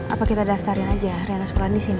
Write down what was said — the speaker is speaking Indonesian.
apa kita daftarin aja rena sekolah disini